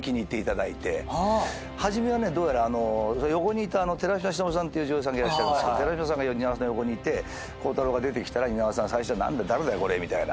初めはねどうやら横にいた寺島しのぶさんっていう女優さんいらっしゃるんですけど寺島さんが蜷川さんの横にいて鋼太郎が出てきたら蜷川さん最初は「誰だよ？これ」みたいな。